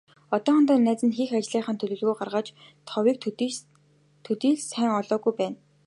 Одоохондоо найз нь хийх ажлынхаа төлөвлөгөөг гаргаж, товыг төдий л сайн олоогүй байна.